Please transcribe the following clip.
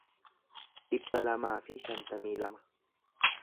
dhibba lamaa fi shantamii lama